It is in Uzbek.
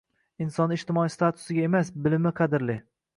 Insonni ijtimoiy statusiga emas, bilimi qadrli.